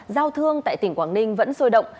giao thương tại tỉnh quảng ninh vẫn sôi động